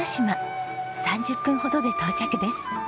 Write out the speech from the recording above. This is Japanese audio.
３０分ほどで到着です。